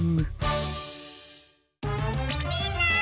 みんな！